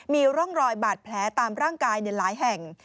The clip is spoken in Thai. มีร่องรอยบาดแผลตามร่างกายหลายแห่ง